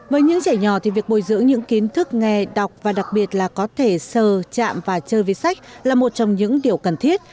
với những trẻ nhỏ thì việc bồi dưỡng những kiến thức nghe đọc và đặc biệt là có thể sờ chạm và chơi với sách là một trong những điều cần thiết